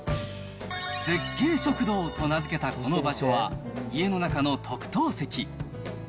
絶景食堂と名付けたこの場所は、家の中の特等席。